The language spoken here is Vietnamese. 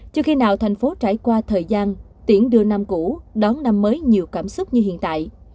chưa khi nào thành phố trải qua thời gian tiễn đưa năm cũ đón năm mới nhiều cảm xúc như hiện tại